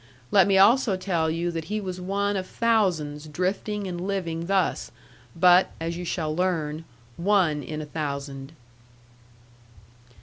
Let me also tell you that he was one of thousands drifting and living thus, but (as you shall learn) one in a thousand.